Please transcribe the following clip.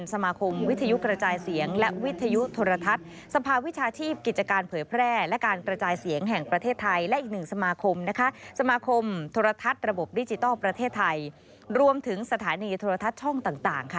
รวมถึงสถานีธุรทัศน์ช่องต่างค่ะ